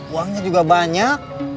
uangnya juga banyak